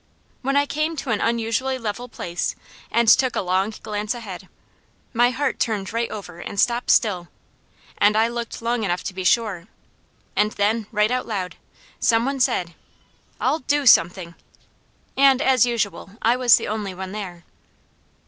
When I came to an unusually level place, and took a long glance ahead, my heart turned right over and stopped still, and I looked long enough to be sure, and then right out loud some one said, "I'll DO something!" and as usual, I was the only one there.